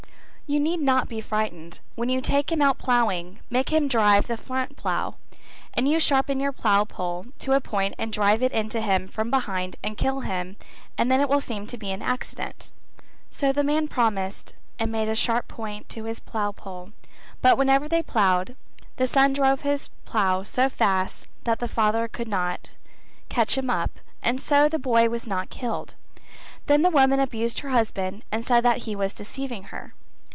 You need not be frightened; when you take him out ploughing make him drive the front plough, and you sharpen your plough pole to a point and drive it into him from behind and kill him and then it will seem to be an accident." So the man promised and made a sharp point to his plough pole but whenever they ploughed, the son drove his plough so fast that the father could not catch him up and so the boy was not killed; then the woman abused her husband and said that he was deceiving her.